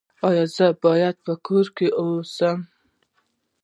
ایا زه باید په کور کې اوسم؟